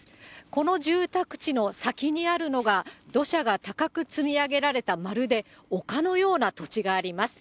この住宅地の先にあるのが、土砂が高く積み上げられた、まるで丘のような土地があります。